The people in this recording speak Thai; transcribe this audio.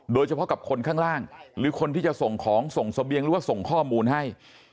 โดยเฉพาะกับคนข้างล่างหรือคนที่จะส่งของส่งเสบียงหรือว่าส่งข้อมูลให้